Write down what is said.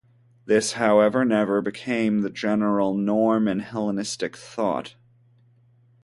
This, however, never became the general norm in Hellenistic thought.